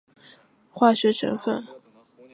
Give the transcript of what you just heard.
发现了与月海不同的化学成分。